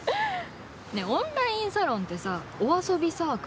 ねぇオンラインサロンってさお遊びサークルなの？